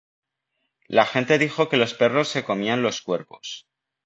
La gente dijo que los perros se comían los cuerpos.